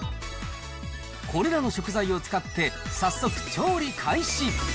これらの食材を使って、早速調理開始。